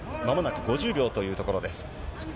試合が始まって、まもなく５０秒というところです。